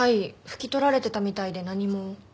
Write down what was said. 拭き取られてたみたいで何も。